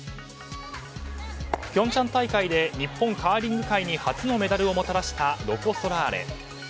平昌大会で日本カーリング界に初のメダルをもたらしたロコ・ソラーレ。